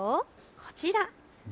こちら。